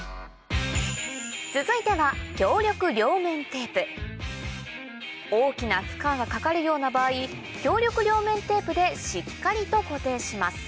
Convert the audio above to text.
続いては大きな負荷がかかるような場合強力両面テープでしっかりと固定します